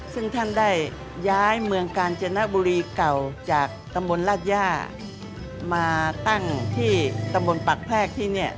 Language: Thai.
ซึ่งท่านได้ย้ายมืองกาญเจณะบุรีเเก่าจากทะมนต์ราชญามาตั้งที่ทะมนต์ปากแพ้ก